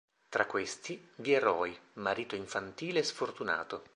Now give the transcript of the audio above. Tra questi, vi è Roy, marito infantile e sfortunato.